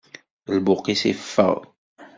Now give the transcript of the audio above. Lbuq-is iffeɣ.